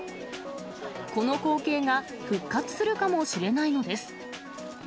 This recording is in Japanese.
この光景が復活するかもしれないのです。